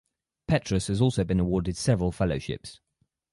Petrus has also been awarded several fellowships.